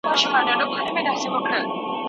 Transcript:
ستا د شونډو بدخشان راڅخه ورک شو